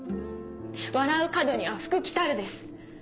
笑う門には福来るです。